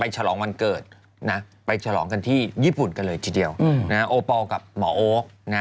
ฉลองวันเกิดนะไปฉลองกันที่ญี่ปุ่นกันเลยทีเดียวโอปอลกับหมอโอ๊ค